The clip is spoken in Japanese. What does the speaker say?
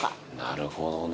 なるほどね。